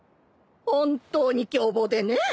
本当に凶暴でねぇ。